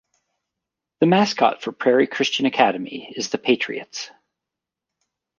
The mascot for Prairie Christian Academy is the Patriots.